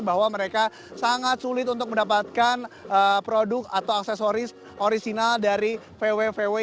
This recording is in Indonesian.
bahwa mereka sangat sulit untuk mendapatkan produk atau aksesoris original dari vw vw yang mereka sudah miliki bertahun tahun